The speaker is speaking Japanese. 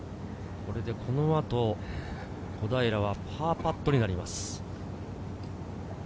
これでこの後、小平はパーパットになります。